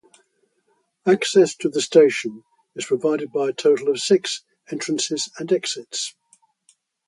Access to the station is provided by a total of six entrances and exits.